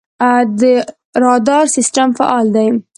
د رادار سیستم فعال دی؟